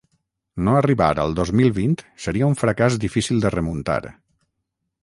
No arribar al dos mil vint seria un fracàs difícil de remuntar.